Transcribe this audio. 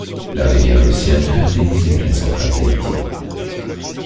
La rivière Lociane fertilise les plaines centrales d'Haïti.